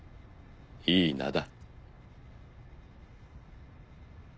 いい名だ。